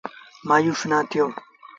مآيوس نا ٿيو۔